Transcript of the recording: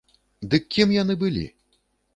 Дык кім яны былі?